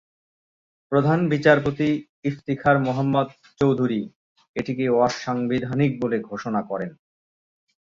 প্রধান বিচারপতি ইফতিখার মুহাম্মদ চৌধুরী এটিকে অসাংবিধানিক বলে ঘোষণা করেন।